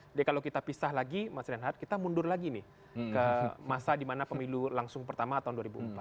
jadi kalau kita pisah lagi mas renhard kita mundur lagi nih ke masa dimana pemilu langsung pertama tahun dua ribu empat